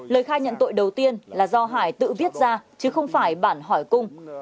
lời khai nhận tội đầu tiên là do hải tự viết ra chứ không phải bản hỏi cung